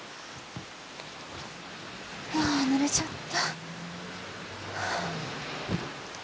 ああぬれちゃった。